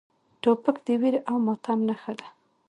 توپک د ویر او ماتم نښه ده.